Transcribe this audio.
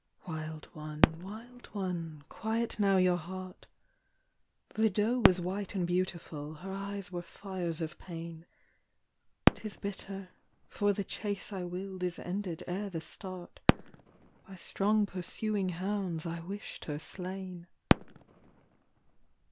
" Wild one, wild one, quiet now your heart." " The doe was white and beautiful, her eyes were fires of pain." " 'Tis bitter, for the chase I willed is ended ere the start : By strong pursuing hounds I wished her slain."